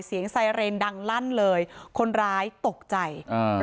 ไซเรนดังลั่นเลยคนร้ายตกใจอ่า